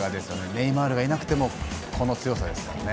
ネイマールがいなくてもこの強さですよね。